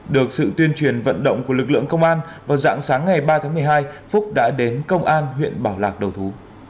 được sự tuyên truyền vận động của lực lượng công an vào dạng sáng ngày ba tháng một mươi hai phúc đã đến công an huyện bảo lạc đầu thú